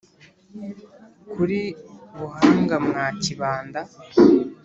Kuri Buhanga mwa Kibanda